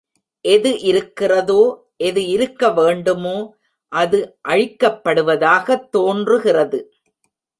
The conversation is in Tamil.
எது இருக்கிறதோ, எது இருக்க வேண்டுமோ, அது அழிக்கப்படுவதாகத் தோன்றுகிறது.